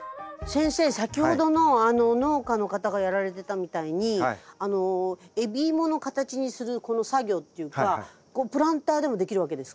先ほどの農家の方がやられてたみたいに海老芋の形にするこの作業っていうかこうプランターでもできるわけですか？